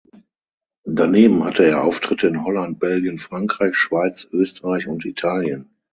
Daneben hatte er Auftritte in Holland, Belgien, Frankreich, Schweiz, Österreich und Italien.